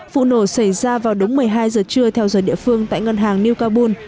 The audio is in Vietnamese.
vụ nổ xảy ra vào đúng một mươi hai giờ trưa theo giờ địa phương tại ngân hàng new cabul